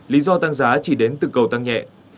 lý do tăng giá chỉ đến từ cầu tăng nhẹ